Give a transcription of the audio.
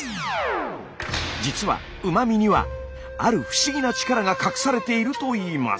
実はうま味にはある不思議な力が隠されているといいます。